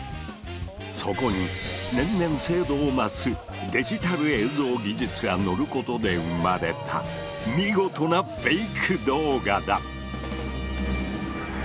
そこに年々精度を増すデジタル映像技術がのることで生まれた見事なフェイク動画だ。